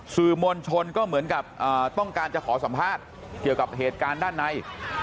สื่อมวลชนก็เหมือนกับต้องการจะขอสัมภาษณ์เกี่ยวกับเหตุการณ์ด้านใน